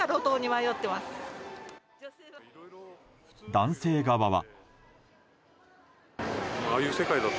男性側は。